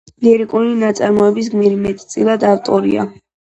ლირიკული ნაწარმოების გმირი მეტწილად ავტორია.